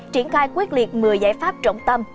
triển khai quyết liệt một mươi giải pháp trọng tâm